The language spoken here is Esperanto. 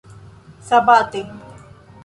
sabate